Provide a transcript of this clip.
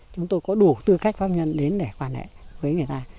chúng tôi có đủ tư cách pháp nhân đến để quan hệ với người ta